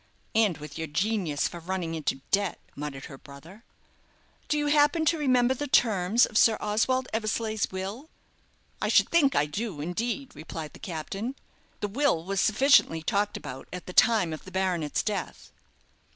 "And with your genius for running into debt," muttered her brother. "Do you happen to remember the terms of Sir Oswald Eversleigh's will?" "I should think I do, indeed," replied the captain; "the will was sufficiently talked about at the time of the baronet's death."